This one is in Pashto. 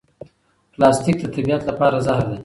پلاستیک د طبیعت لپاره زهر دی.